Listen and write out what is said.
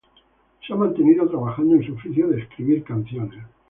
Se ha mantenido trabajando en su oficio de escribir canciones.